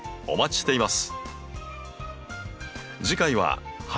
お待ちしています。